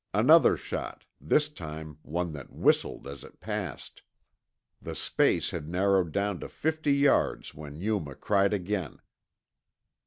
Another shot, this time one that whistled as it passed. The space had narrowed down to fifty yards when Yuma cried again.